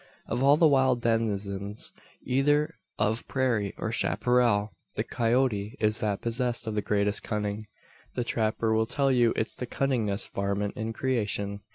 Of all the wild denizens, either of prairie or chapparal, the coyote is that possessed of the greatest cunning. The trapper will tell you it is the "cunningest varmint in creation."